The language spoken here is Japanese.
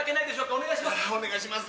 お願いします。